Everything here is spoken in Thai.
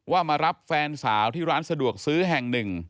มารับแฟนสาวที่ร้านสะดวกซื้อแห่งหนึ่ง